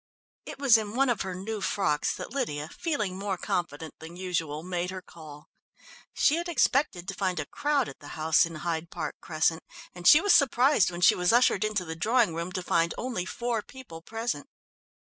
It was in one of her new frocks that Lydia, feeling more confident than usual, made her call. She had expected to find a crowd at the house in Hyde Park Crescent, and she was surprised when she was ushered into the drawing room to find only four people present.